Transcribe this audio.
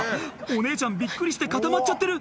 お姉ちゃんびっくりして固まっちゃってる！